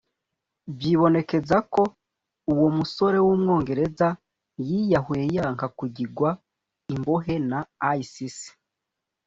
vyibonekeza ko uwo musore w'umwongereza yiyahuye yanka kugigwa imbohe na Isis